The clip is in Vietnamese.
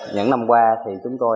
những năm qua thì chúng tôi